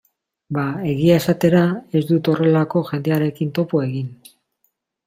Ba, egia esatera, ez dut horrelako jendearekin topo egin.